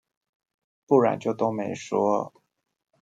不然就都沒說